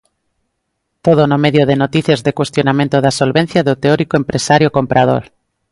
Todo no medio de noticias de cuestionamento da solvencia do teórico empresario comprador.